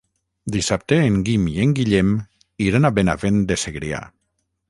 Dissabte en Quim i en Guillem iran a Benavent de Segrià.